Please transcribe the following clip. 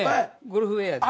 ゴルフウエアと。